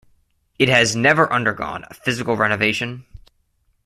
It has never undergone a physical renovation.